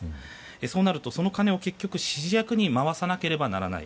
そうなると、その金を指示役に回さなければならない。